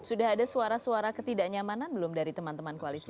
sudah ada suara suara ketidaknyamanan belum dari teman teman koalisi